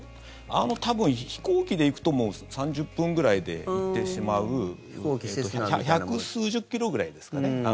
多分、飛行機で行くともう３０分ぐらいで行ってしまう１００数十キロくらいですかね。